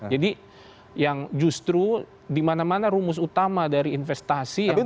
jadi yang justru dimana mana rumus utama dari investasi yang paling